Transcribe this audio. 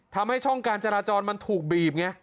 ทำให้ช่องการจราจรมันถูกบีบไง